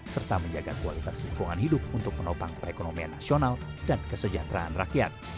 serta menjaga kualitas lingkungan hidup untuk menopang perekonomian nasional dan kesejahteraan rakyat